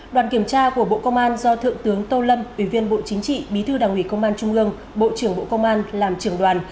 đoàn kiểm tra của bộ công an do thượng tướng tô lâm ủy viên bộ chính trị bí thư đảng ủy công an trung ương bộ trưởng bộ công an làm trưởng đoàn